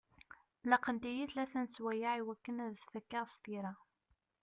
Laqent-iyi tlata n sswayeɛ i wakken ad t-fakeɣ s tira.